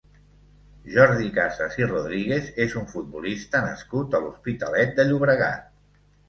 Jordi Casas i Rodríguez és un futbolista nascut a l'Hospitalet de Llobregat.